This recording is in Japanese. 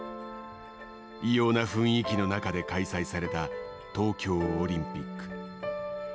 異様な雰囲気の中で開催された東京オリンピック。